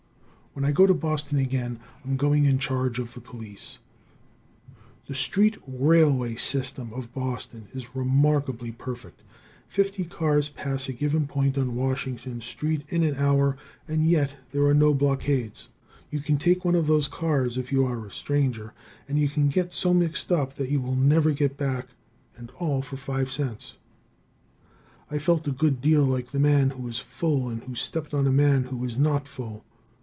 When I go to Boston again, I am going in charge of the police. The street railway system of Boston is remarkably perfect. Fifty cars pass a given point on Washington street in an hour, and yet there are no blockades. You can take one of those cars, if you are a stranger, and you can get so mixed up that you will never get back, and all for five cents. I felt a good deal like the man who was full and who stepped on a man who was not full.